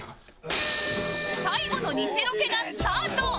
最後のニセロケがスタート